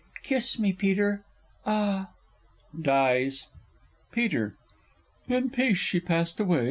Kiss me, Peter ... ah! [Dies. Peter. In peace she passed away.